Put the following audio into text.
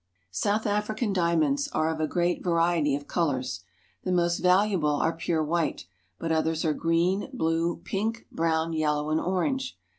South African diamonds are of a great variety of colors. The most valuable are pure white, but others are green, blue, pink, brown, yellow, and orange.